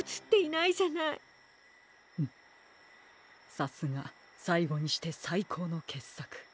さすがさいごにしてさいこうのけっさく。